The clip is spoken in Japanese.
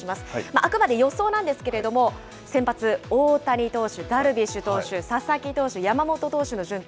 あくまで予想なんですけれども、先発、大谷投手、ダルビッシュ投手、佐々木投手、山本投手の順。